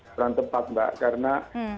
berantem pak mbak karena